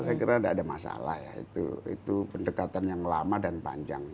saya kira tidak ada masalah ya itu pendekatan yang lama dan panjang